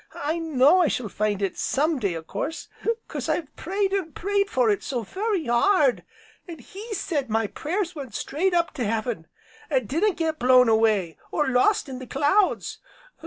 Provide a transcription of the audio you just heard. I know I shall find it some day a course 'cause I've prayed, an' prayed for it so very hard, an' He said my prayers went straight up to heaven, an' didn't get blown away, or lost in the clouds.